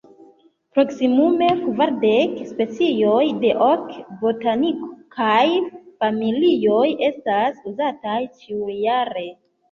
Proksimume kvardek specioj de ok botanikaj familioj estas uzataj ĉiujare.